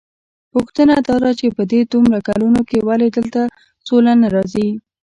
پوښتنه داده چې په دې دومره کلونو کې ولې دلته سوله نه راځي؟